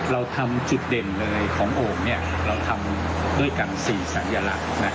เราทำจุดเด่นเลยของโอ่งเราทำด้วยกัน๔สัญลักษณ์